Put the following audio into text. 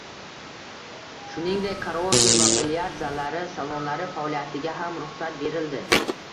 Shuningdek, karaoke va bilyard zallari, salonlari faoliyatiga ham ruxsat berildi.